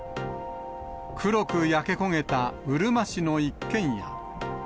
黒く焼け焦げたうるま市の一軒家。